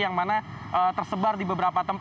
yang mana tersebar di sana